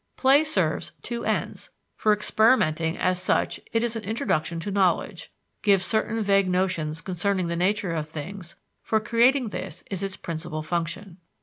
Play serves two ends for experimenting: as such it is an introduction to knowledge, gives certain vague notions concerning the nature of things; for creating: this is its principal function.